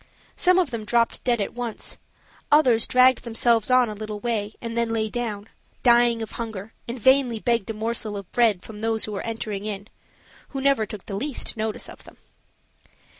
Some of them dropped dead at once; others dragged themselves on a little way and then lay down, dying of hunger, and vainly begged a morsel of bread from others who were entering in who never took the least notice of them.